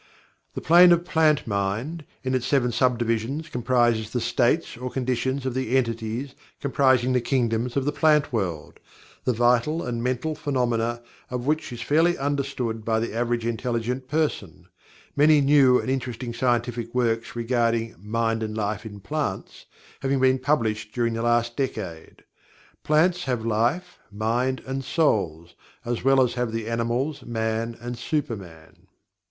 The Plane of Plant Mind, in its seven sub divisions, comprises the states or conditions of the entities comprising the kingdoms of the Plant World, the vital and mental phenomena of which is fairly well understood by the average intelligent person, many new and interesting scientific works regarding "Mind and Life in Plants" having been published during the last decade. Plants have life, mind and "souls," as well as have the animals, man, and super man.